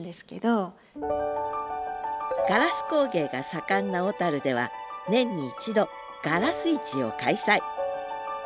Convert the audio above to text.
ガラス工芸が盛んな小では年に一度「がらす市」を開催。